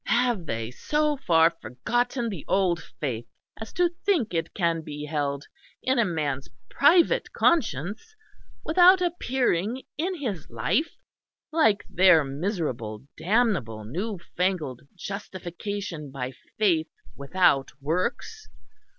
"Have they so far forgotten the Old Faith as to think it can be held in a man's private conscience without appearing in his life, like their miserable damnable new fangled Justification by faith without works?